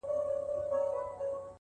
وي لكه ستوري هره شــپـه را روان!!